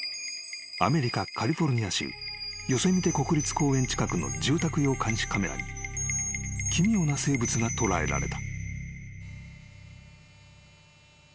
アメリカカリフォルニア州ヨセミテ国立公園近くの住宅用監視カメラに奇妙な生物が捉えられた］